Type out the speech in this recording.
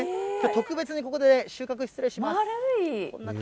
特別にここで収穫、失礼します。